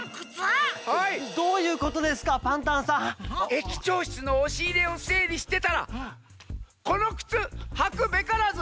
駅長しつのおしいれをせいりしてたら「このくつはくべからず。